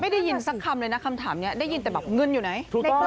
ไม่ได้ยินสักคำเลยนะคำถามนี้ได้ยินแต่เงินอยู่ไหน